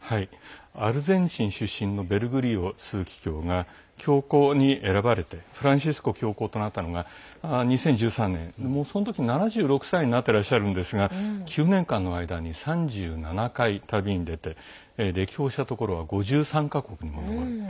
アルゼンチン出身のベルグリオ枢機卿が教皇に選ばれてフランシスコ教皇となったのが２０１３年、その時７６歳になってらっしゃるんですが９年の間に３７回、旅に出て歴訪したところは５３か国に上る。